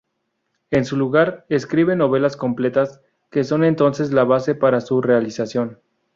En su lugar, escribe novelas completas, que son entonces la base para su realización.